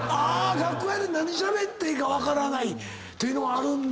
楽屋で何しゃべっていいか分からないというのはあるんだ。